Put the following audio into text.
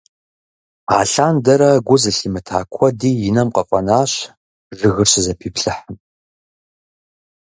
Алъандэрэ гу зылъимыта куэди и нэм къыфӀэнащ жыгыр щызэпиплъыхьым.